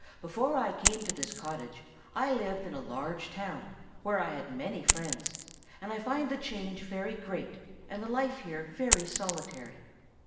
Before I came to this cottage I lived in a large town, where I had many friends, and I find the change very great, and the life here very solitary.